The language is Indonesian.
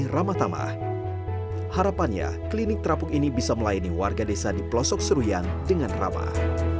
ketika ini klinik terapung bajenta sudah melayani warga desa di pelosok seruyang dengan ramah